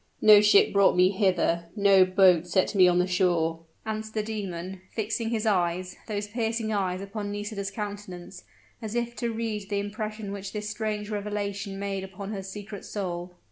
"No ship brought me hither no boat set me on the shore," answered the demon, fixing his eyes those piercing eyes upon Nisida's countenance, as if to read the impression which this strange revelation made upon her secret soul.